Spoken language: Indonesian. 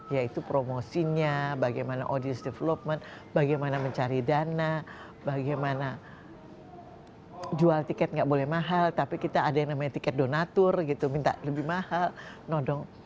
yaitu promosinya bagaimana audiens development bagaimana mencari dana bagaimana jual tiket nggak boleh mahal tapi kita ada yang namanya tiket donatur gitu minta lebih mahal nodong